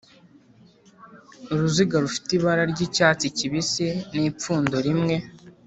Uruziga rufite ibara ry icyatsi kibisi n ipfundo rimwe